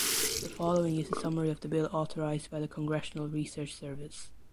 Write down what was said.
The following is the summary of the bill authorized by the Congressional Research Service.